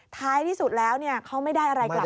ท้ายที่สุดแล้วเขาไม่ได้อะไรกลับ